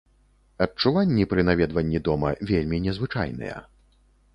Адчуванні пры наведванні дома вельмі незвычайныя.